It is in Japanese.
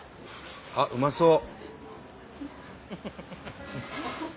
あっうまそう。